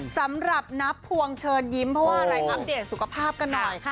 สำหรับนับพวงเชิญยิ้มเพราะว่าอะไรอัปเดตสุขภาพกันหน่อย